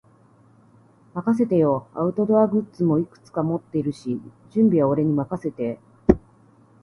任せてよ。アウトドアグッズもいくつか持ってるし、準備は俺に任せて。